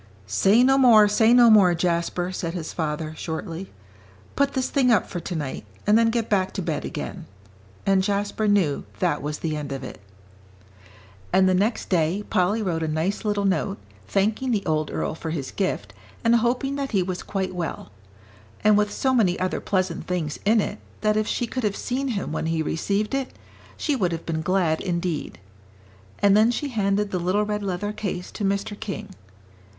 "Say no more, say no more, Jasper," said his father, shortly; "put this thing up for tonight, and then get back to bed again." And Jasper knew that was the end of it. And the next day Polly wrote a nice little note, thanking the old earl for his gift, and hoping that he was quite well; and with so many other pleasant things in it, that if she could have seen him when he received it, she would have been glad indeed. And then she handed the little red leather case to Mr. King.